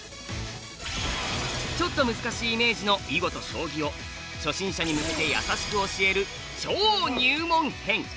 ちょっと難しいイメージの囲碁と将棋を初心者に向けて優しく教える超入門編。